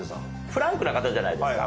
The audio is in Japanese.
フランクな方じゃないですか。